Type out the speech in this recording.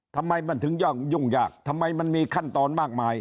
ทำไมมันถึงย่องยุ่งยากทำไมมันมีขั้นตอนมากมาย